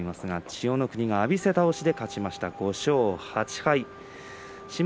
千代の国、浴びせ倒しで勝ちました、５勝８敗です。